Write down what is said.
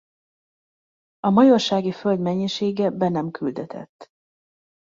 A majorsági föld mennyisége be nem küldetett.